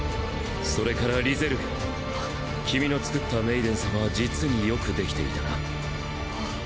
それからリゼルグ君の作ったメイデン様は実によくできていたな。